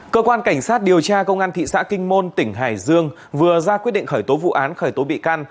cơ quan cảnh sát điều tra công an thị xã kinh môn tỉnh hải dương vừa ra quyết định khởi tố vụ án khởi tố bị can